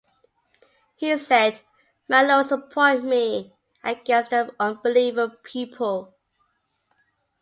He said, "My Lord support me against the unbeliever people"